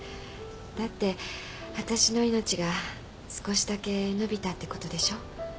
だってわたしの命が少しだけ延びたってことでしょ？